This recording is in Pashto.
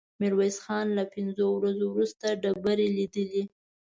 ميرويس خان له پنځو ورځو وروسته ډبرې ليدلې.